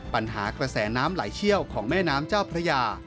ปัญหากระแสน้ำไหลเชี่ยวของแม่น้ำเจ้าพระยา